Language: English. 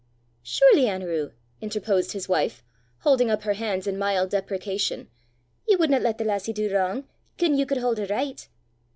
"Surely, Anerew," interposed his wife, holding up her hands in mild deprecation, "ye wudna lat the lassie du wrang gien ye could haud her richt?"